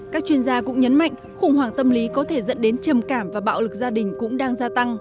các chuyên gia cũng nhấn mạnh khủng hoảng tâm lý có thể dẫn đến trầm cảm và bạo lực gia đình cũng đang gia tăng